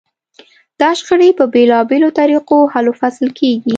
دا شخړې په بېلابېلو طریقو حل و فصل کېږي.